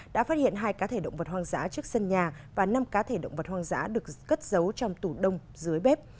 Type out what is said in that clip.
đã phát hiện hai cá thể động vật hoang dã trước sân nhà và năm cá thể động vật hoang dã được cất giấu trong tủ đông dưới bếp